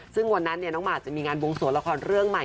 ซึ่งวันนั้นน้องหมากจะมีงานวงสวนละครเรื่องใหม่